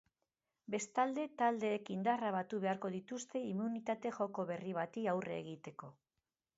Bestalde, taldeek indarrak batu beharko dituzte immunitate joko berri bati aurre egiteko.